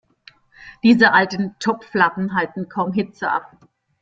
Diese alten Topflappen halten kaum Hitze ab.